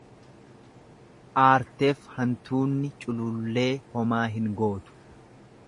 Aarteef hantuunni culullee homaa hin gootu.